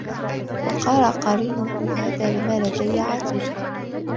وَقالَ قَرينُهُ هذا ما لَدَيَّ عَتيدٌ